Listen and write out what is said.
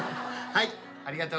はい。